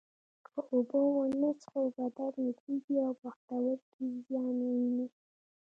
که اوبه ونه څښو بدن وچېږي او پښتورګي زیان ویني